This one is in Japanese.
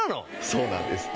そうなんです。